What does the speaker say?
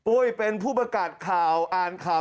เป็นผู้ประกาศข่าวอ่านข่าว